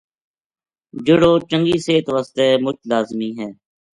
جہڑو چنگی صحت واسطے مُچ لازمی ہے۔